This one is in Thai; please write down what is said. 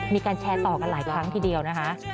มีการแชร์ต่อกันหลายครั้งทีเดียวนะคะ